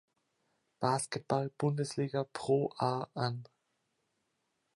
Basketball Bundesliga ProA an.